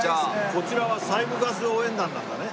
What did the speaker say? こちらは西部ガス応援団なんだね。